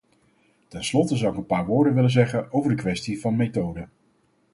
Tenslotte zou ik een paar woorden willen zeggen over de kwestie van methode.